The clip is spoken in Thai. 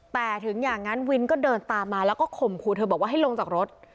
แต่ถึงอย่างนั้นวินก็เดินตามมาแล้วก็ข่มขู่เธอบอกว่าให้ลงจากรถ